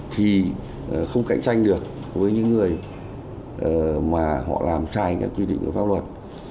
thì không cạnh tranh được với những người mà họ làm sai các quy định của pháp luật